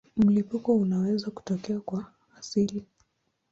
Mlipuko unaweza kutokea kwa asili.